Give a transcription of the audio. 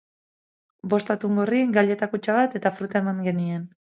Bost atungorri, gaileta kutxa bat eta fruta eman genien.